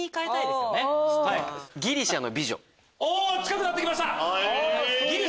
おっ近くなってきました！